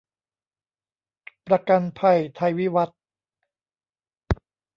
ประกันภัยไทยวิวัฒน์